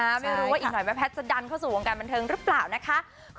ไม่รู้ว่าอีกหน่อยแม่แพทย์จะดันเข้าสู่วงการบันเทิงหรือเปล่านะคะ